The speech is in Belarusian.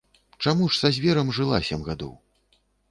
Чаму ж са зверам жыла сем гадоў?